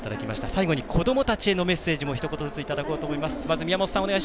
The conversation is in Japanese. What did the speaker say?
最後に子どもたちへのメッセージもひと言ずついただきます。